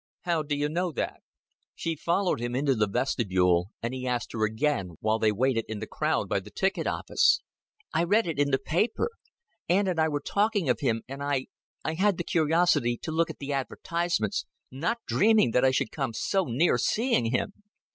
"How d'you know that?" She followed him into the vestibule, and he asked her again while they waited in the crowd by the ticket office. "I read it in the paper. Aunt and I were talking of him; and I I had the curiosity to look at the advertisements not dreaming that I should come so near seeing him."